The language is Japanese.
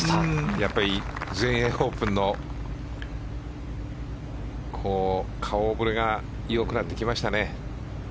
やっぱり全英オープンの顔ぶれが良くなってきましたね。